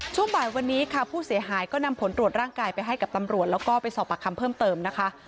ช่วงบ่ายวันนี้ค่ะผู้เสียหายก็นำผลตรวจร่างกายไปให้กับตำรวจแล้วก็ไปสอบปากคำเพิ่มเติมนะคะ